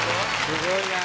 すごいな！